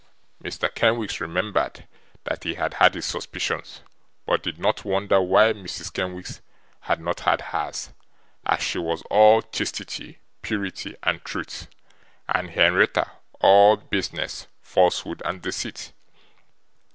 Mr. Kenwigs remembered that he had had his suspicions, but did not wonder why Mrs. Kenwigs had not had hers, as she was all chastity, purity, and truth, and Henrietta all baseness, falsehood, and deceit.